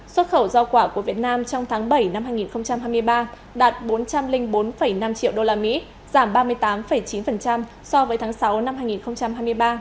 xuất khẩu do quả tới thị trường hoa kỳ đạt một trăm bốn mươi năm triệu usd giảm một mươi một hai so với cùng kỳ năm hai nghìn hai mươi hai